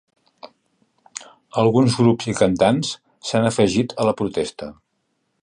Alguns grups i cantants s’han afegit a la protesta.